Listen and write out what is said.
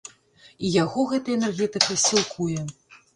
І яго гэтая энергетыка сілкуе.